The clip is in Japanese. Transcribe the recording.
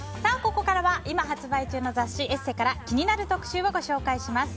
ここからは今発売中の雑誌「ＥＳＳＥ」から気になる特集をご紹介します。